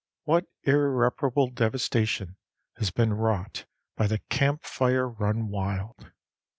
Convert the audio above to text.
What irreparable devastation has been wrought by the camp fire run wild!